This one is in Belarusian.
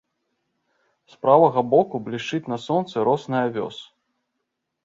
З правага боку блішчыць на сонцы росны авёс.